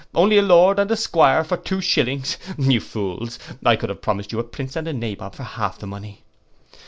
Only a Lord and a 'Squire for two shillings! You fools, I could have promised you a Prince and a Nabob for half the money.